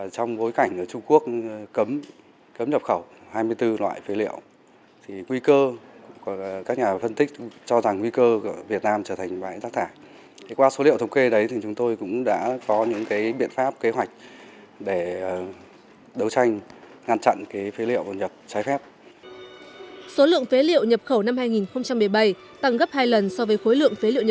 số lượng phế liệu nhập khẩu năm hai nghìn một mươi bảy tăng gấp hai lần so với khối lượng phế liệu nhập khẩu